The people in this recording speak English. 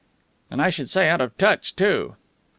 "And I should say out of touch, too."